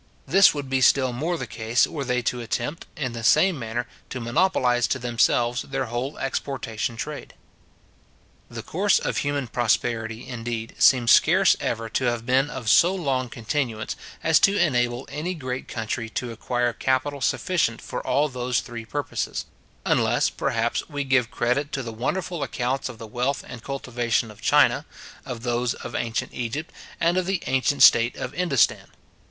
This would be still more the case, were they to attempt, in the same manner, to monopolize to themselves their whole exportation trade. The course of human prosperity, indeed, seems scarce ever to have been of so long continuance as to unable any great country to acquire capital sufficient for all those three purposes; unless, perhaps, we give credit to the wonderful accounts of the wealth and cultivation of China, of those of ancient Egypt, and of the ancient state of Indostan.